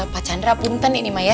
pak chandra punten ini mah ya